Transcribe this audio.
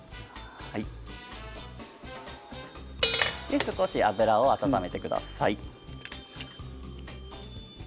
はい少し油を温めてください。